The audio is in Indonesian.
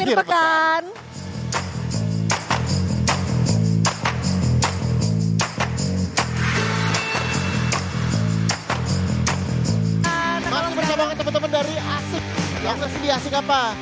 masih bersama teman teman dari asyik